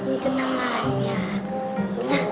ini tenang kan